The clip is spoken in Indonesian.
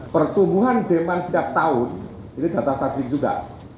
pertumbuhan demand setiap tahun ini data sakit juga